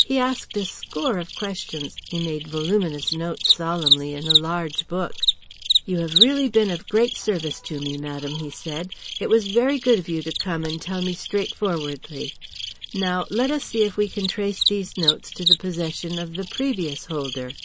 He asked a score of questions, he made voluminous notes solemnly in a large book. "You have really been of great service to me, madame," he said. "It was very good of you to come and tell me straightforwardly. Now, let us see if we can trace these notes to the possession of the previous holder."